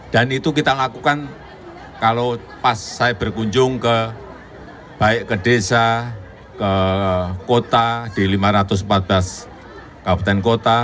dan itu kita lakukan kalau pas saya berkunjung ke baik ke desa ke kota di lima ratus empat belas kabupaten kota